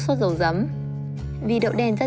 sốt dầu giấm vì đậu đen rất